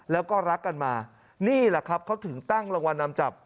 แล้วก็รักกันมานี่แหละครับเขาถึงตั้งรางวัลนำจับ